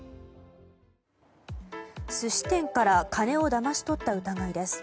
寿司店から金をだまし取った疑いです。